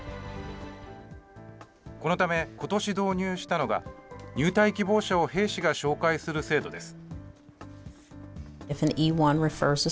このため、ことし導入したのが、入隊希望者を兵士が紹介する制度です。